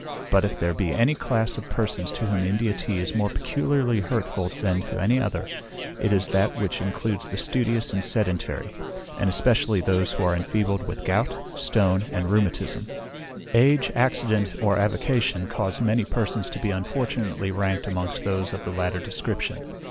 "But if there be any class of persons to whom India tea is more particularly hurtful than to any other, it is that which includes the studious and sedentary, and especially those who are enfeebled with gout, stone, and rheumatism; age, accident, or avocation, cause many persons to be unfortunately ranked amongst those of the latter description.